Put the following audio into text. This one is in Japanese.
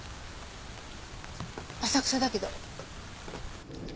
浅草だけど。